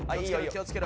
気をつけろ！